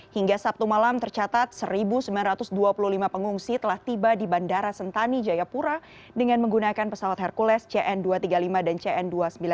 hingga sabtu malam tercatat satu sembilan ratus dua puluh lima pengungsi telah tiba di bandara sentani jayapura dengan menggunakan pesawat hercules cn dua ratus tiga puluh lima dan cn dua ratus sembilan puluh